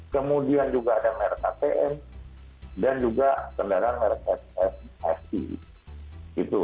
kemudian juga ada yang merek atm dan juga kendaraan merek st